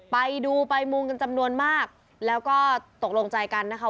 ไปดูไปมุงกันจำนวนมากแล้วก็ตกลงใจกันนะคะ